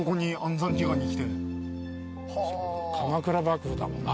鎌倉幕府だもんな。